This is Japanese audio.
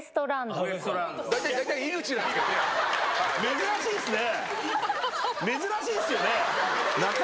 珍しいっすね！